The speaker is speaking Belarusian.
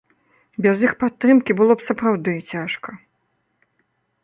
Без іх падтрымкі было б сапраўдны цяжка.